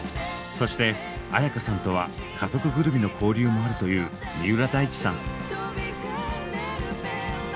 そして絢香さんとは家族ぐるみの交流もあるという三浦大知さん。